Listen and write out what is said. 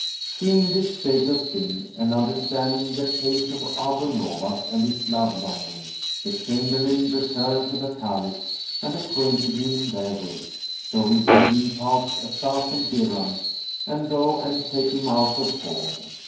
'" Seeing this state of things and understanding the case of Abu Nowas and his love longing, the Chamberlain returned to the Caliph and acquainted him therewith; so he bade him pouch a thousand dirhams and go and take him out of pawn.